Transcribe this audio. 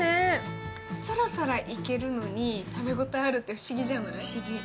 さらさらいけるのに、食べ応えあるって不思議じゃない？